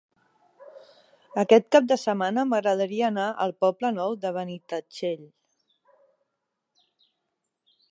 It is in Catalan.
Aquest cap de setmana m'agradaria anar al Poble Nou de Benitatxell.